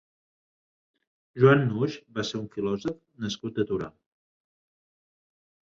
Joan Nuix va ser un filòsof nascut a Torà.